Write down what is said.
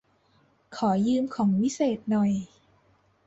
ขอยืมของวิเศษหน่อย